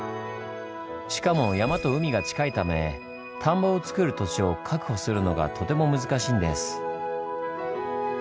しかも山と海が近いため田んぼをつくる土地を確保するのがとても難しいんです。